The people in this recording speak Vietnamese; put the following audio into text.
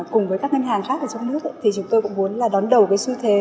cùng với các ngân hàng khác ở trong nước thì chúng tôi cũng muốn là đón đầu cái xu thế